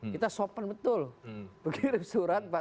kita sopan betul berkirim surat pak